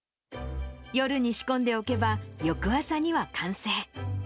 夜に仕込んでおけば、翌朝には完成。